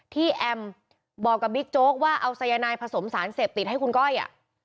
แอมบอกกับบิ๊กโจ๊กว่าเอาสายนายผสมสารเสพติดให้คุณก้อยอ่ะ